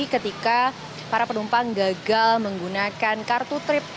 ketika para penumpang gagal menggunakan kartu trip